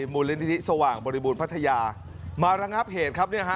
มูลนิธิสว่างบริบูรณพัทยามาระงับเหตุครับเนี่ยฮะ